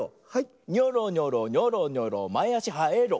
「ニョロニョロニョロニョロまえあしはえろ」